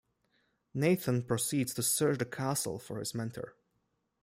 Nathan proceeds to search the castle for his mentor.